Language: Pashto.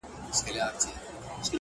خوند كوي دا دوه اشــــنا.